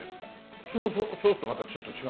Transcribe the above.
普通のソースとまたちょっと違うね。